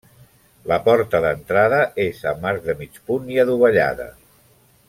La porta d'entrada és amb arc de mig punt i adovellada.